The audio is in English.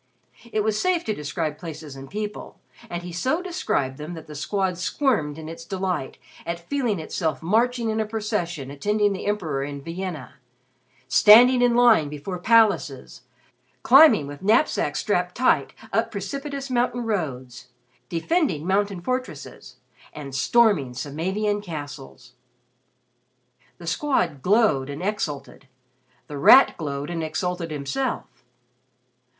It was safe to describe places and people, and he so described them that The Squad squirmed in its delight at feeling itself marching in a procession attending the Emperor in Vienna; standing in line before palaces; climbing, with knapsacks strapped tight, up precipitous mountain roads; defending mountain fortresses; and storming Samavian castles. The Squad glowed and exulted. The Rat glowed and exulted himself.